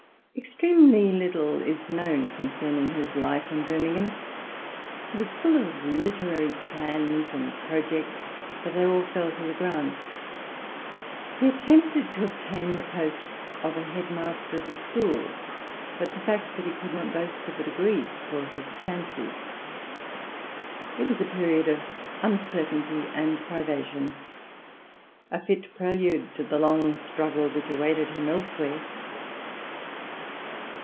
Extremely little is known concerning his life in Birmingham; he was full of literary plans and projects, but they all fell to the ground j he attempted to obtain the post of head master of a school, but the fact that he could not boast of a degree spoilt his chances ; it was a period of uncertainty and privation — a fit prelude to the long struggle which awaited him elsewhere.